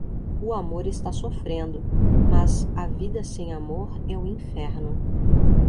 O amor está sofrendo, mas a vida sem amor é o inferno.